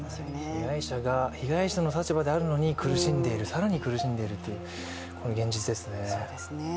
被害者が被害者の立場であるのに更に苦しんでいるという現実ですね。